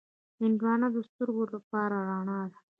هندوانه د سترګو لپاره رڼا ده.